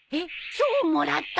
賞をもらった？